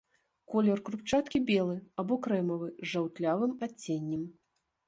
Колер крупчаткі белы або крэмавы, з жаўтлявым адценнем.